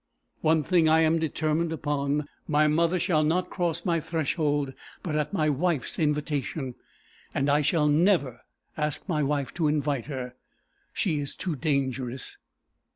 One thing I am determined upon: my mother shall not cross my threshold but at my wife's invitation; and I shall never ask my wife to invite her. She is too dangerous.